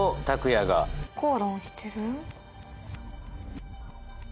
口論してる？